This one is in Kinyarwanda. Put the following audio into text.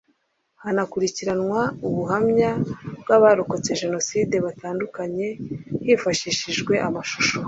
hanakurikiranwa ubuhamya bw’abarokotse Jenoside batandukanye hifashishijwe amashusho